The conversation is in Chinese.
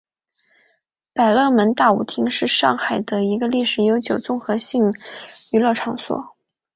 百乐门大舞厅是上海的一个历史悠久的综合性娱乐场所。